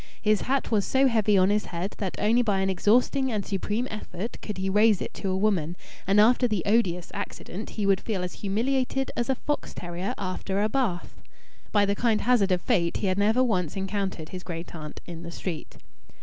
His hat was so heavy on his head that only by an exhausting and supreme effort could he raise it to a woman, and after the odious accident he would feel as humiliated as a fox terrier after a bath. By the kind hazard of fate he had never once encountered his great aunt in the street.